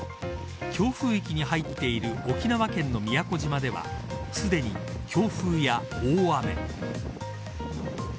強風域に入っている沖縄県の宮古島ではすでに強風や大雨。